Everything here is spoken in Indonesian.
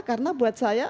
karena buat saya